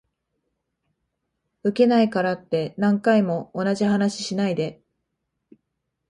ウケないからって何回も同じ話しないで